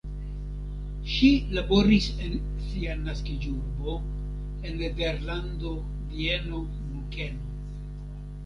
Ŝi laboris en sia naskiĝurbo, en Nederlando, Vieno, Munkeno.